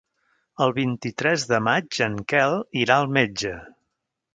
El vint-i-tres de maig en Quel irà al metge.